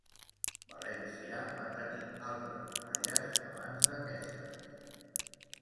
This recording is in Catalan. València va tenir altres muralles abans d'aquestes.